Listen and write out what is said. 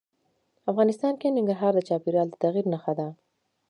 افغانستان کې ننګرهار د چاپېریال د تغیر نښه ده.